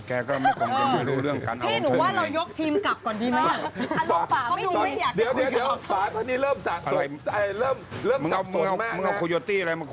แค่ก็ไม่รู้เรื่องการเอาของฉันอีก